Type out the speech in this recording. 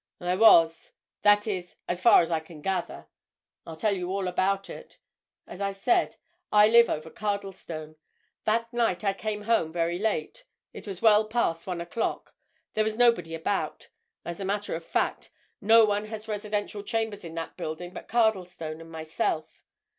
"I was. That is—as far as I can gather. I'll tell you all about it. As I said, I live over Cardlestone. That night I came home very late—it was well past one o'clock. There was nobody about—as a matter of fact, no one has residential chambers in that building but Cardlestone and myself.